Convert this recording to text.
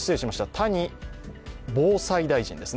谷防災大臣ですね。